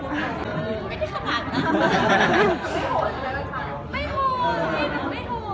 ให้มูขาว